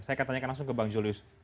saya akan tanyakan langsung ke bang julius